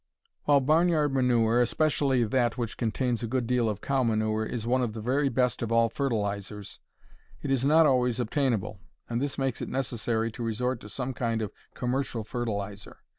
While barn yard manure especially that which contains a good deal of cow manure is one of the very best of all fertilizers, it is not always obtainable, and this makes it necessary to resort to some kind of commercial fertilizer.